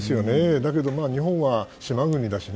だけど日本は島国だしね。